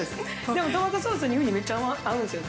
でも、トマトソースにウニ、めっちゃ合うんですよ。